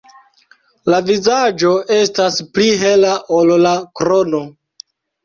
La vizaĝo estas pli hela ol la krono.